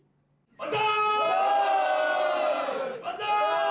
万歳！